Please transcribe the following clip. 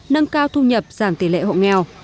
nâng cao thu nhập giảm tỷ lệ hộ nghèo